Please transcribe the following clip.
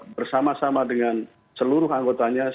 bersama sama dengan seluruh anggotanya